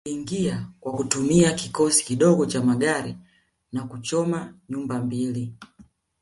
Waliingia kwa kutumia kikosi kidogo cha magari na kuchoma nyumba mbili